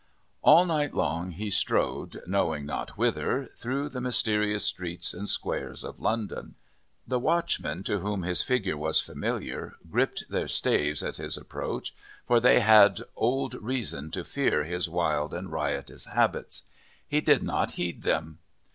All night long he strode, knowing not whither, through the mysterious streets and squares of London. The watchmen, to whom his figure was familiar, gripped their staves at his approach, for they had old reason to fear his wild and riotous habits. He did not heed them.